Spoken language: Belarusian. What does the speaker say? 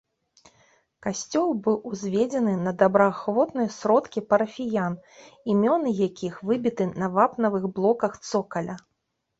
Касцёл быў узведзены на добраахвотныя сродкі парафіян, імёны якіх выбіты на вапнавых блоках цокаля.